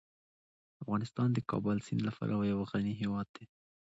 افغانستان د کابل سیند له پلوه یو غني هیواد دی.